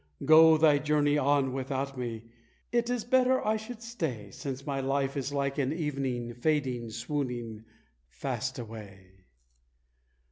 Go thy journey on without me; it is better I should stay, Since my life is like an evening, fading, swooning fast away!